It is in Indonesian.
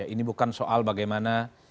ini bukan soal bagaimana